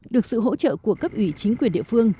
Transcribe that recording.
được sự hỗ trợ của cấp ủy chính quyền địa phương